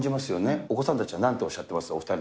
お子さんたちはなんとおっしゃってます？